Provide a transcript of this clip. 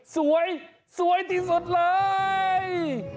สวยสวยที่สุดเลย